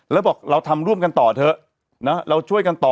แล้วบอกเราทำร่วมกันต่อเถอะนะเราช่วยกันต่อ